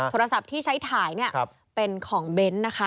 โทรศัพท์ที่ใช้ถ่ายเป็นของเบนท์นะคะ